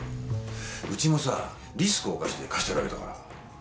うちもさリスクを冒して貸してるわけだから。